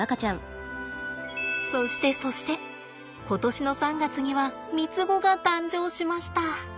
そしてそして今年の３月には３つ子が誕生しました。